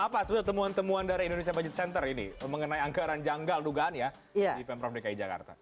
apa sebetulnya temuan temuan dari indonesia budget center ini mengenai anggaran janggal dugaan ya di pemprov dki jakarta